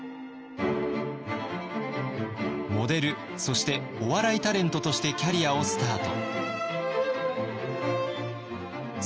モデルそしてお笑いタレントとしてキャリアをスタート。